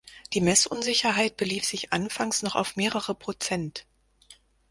Die Messunsicherheit belief sich anfangs noch auf mehrere Prozent.